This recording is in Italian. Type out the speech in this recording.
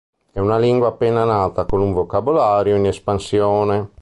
È una lingua appena nata con un vocabolario in espansione.